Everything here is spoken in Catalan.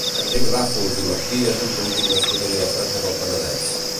Enric Ràfols i Martí és un polític nascut a Vilafranca del Penedès.